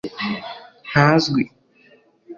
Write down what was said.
ntazwi